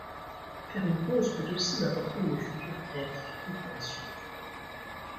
Faire une pause peut aussi m'apporter une future créativité pour la suite.